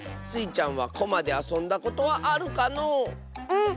スイちゃんはコマであそんだことはあるかのう？